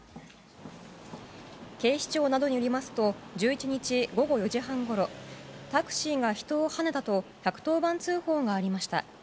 警視庁などによりますと１１日午後４時半ごろタクシーが人をはねたと１１０番通報がありました。